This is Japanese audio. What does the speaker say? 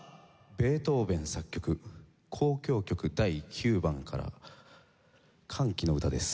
ベートーヴェン作曲『交響曲第９番』から『歓喜の歌』です。